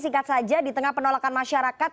singkat saja di tengah penolakan masyarakat